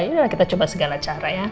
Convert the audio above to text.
inilah kita coba segala cara ya